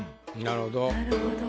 なるほど。